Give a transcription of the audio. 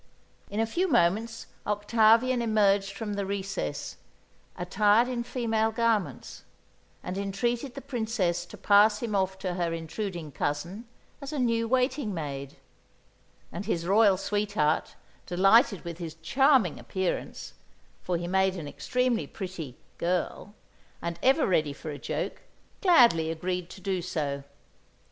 In a few moments Octavian emerged from the recess, attired in female garments, and entreated the Princess to pass him off to her intruding cousin as a new waiting maid; and his royal sweetheart, delighted with his charming appearance for he made an extremely pretty "girl" and ever ready for a joke, gladly agreed to do so.